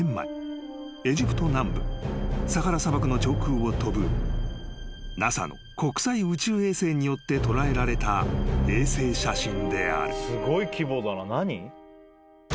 エジプト南部サハラ砂漠の上空を飛ぶＮＡＳＡの国際宇宙衛星によって捉えられた衛星写真である］